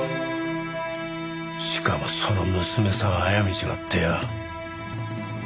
しかもその娘さんあやめちまってよ